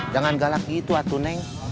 jangan galak gitu atuneng